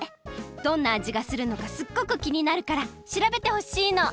どんなあじがするのかすっごくきになるから調べてほしいの！